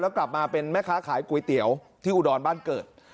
กลับมาเป็นแม่ค้าขายก๋วยเตี๋ยวที่อุดรบ้านเกิด